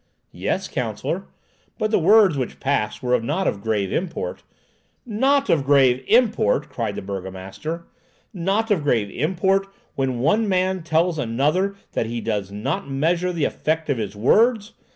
"Yes, counsellor; but the words which passed were not of grave import." "Not of grave import!" cried the burgomaster. "Not of grave import, when one man tells another that he does not measure the effect of his words!